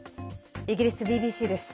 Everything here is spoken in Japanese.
イギリスＢＢＣです。